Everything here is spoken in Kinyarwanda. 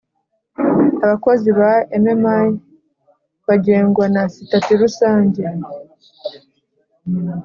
abakozi ba mmi bagengwa na sitati rusange